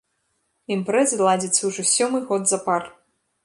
Імпрэза ладзіцца ўжо сёмы год запар.